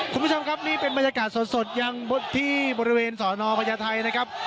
คุณผู้ชมครับนี่เป็นบริเวณบริเวณสนพญาไทยนะครับ